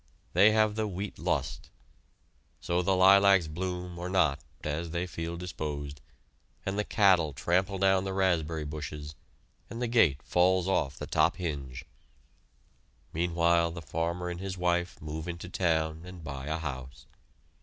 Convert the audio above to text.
They have the wheat lust, so the lilacs bloom or not as they feel disposed, and the cattle trample down the raspberry bushes and the gate falls off the top hinge. Meanwhile the farmer and his wife move into town and buy a house.